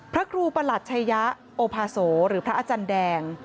พระครูประหลัดชัยะโอภาโสหรือพระอาจารย์แดง